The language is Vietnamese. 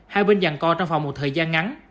hai bên giàn co trong phòng một thời gian ngắn